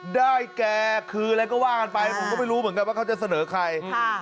ได้แก่คืออะไรก็ว่ากันไปผมก็ไม่รู้เหมือนกันว่าเขาจะเสนอใคร